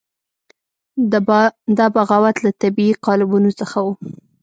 دا بغاوت له طبیعي قالبونو څخه وو.